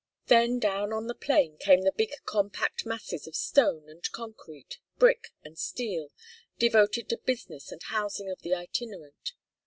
Then, down on the plain, came the big compact masses of stone and concrete, brick and steel, devoted to business and housing of the itinerant.